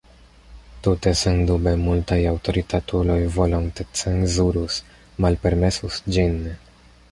Tute sendube multaj aŭtoritatuloj volonte cenzurus, malpermesus ĝin.